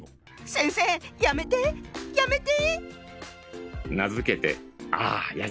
先生やめてやめて！